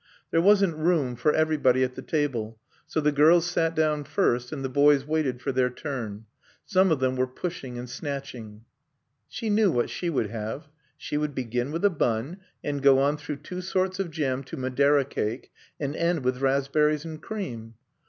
There wasn't room for everybody at the table, so the girls sat down first and the boys waited for their turn. Some of them were pushing and snatching. She knew what she would have. She would begin with a bun, and go on through two sorts of jam to Madeira cake, and end with raspberries and cream.